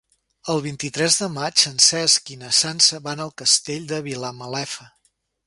El vint-i-tres de maig en Cesc i na Sança van al Castell de Vilamalefa.